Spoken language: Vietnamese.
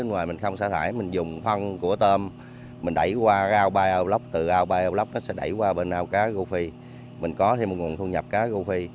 bên ngoài mình không xả thải mình dùng phân của tôm mình đẩy qua gao bioblock từ gao bioblock nó sẽ đẩy qua bên ao cá go phi mình có thêm nguồn thu nhập bệnh